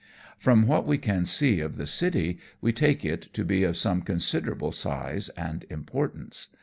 135 From what we can see of the city we take it to be of some considerable size and importance.